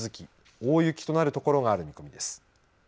大雪となる所がある見込みです。